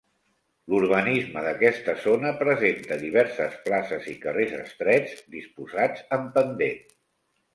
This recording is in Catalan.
L'urbanisme d'aquesta zona presenta diverses places i carrers estrets, disposats en pendent.